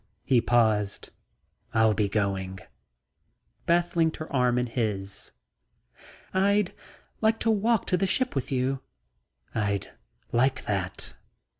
He paused. "I'll be going..." Beth linked her arm in his. "I'd like to walk to the ship with you." "I'd like that."